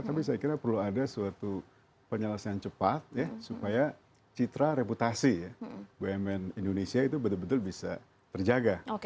tapi saya kira perlu ada suatu penyelesaian cepat ya supaya citra reputasi bumn indonesia itu betul betul bisa terjaga